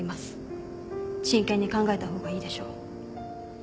真剣に考えた方がいいでしょう。